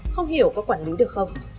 không hiểu có quản lý được không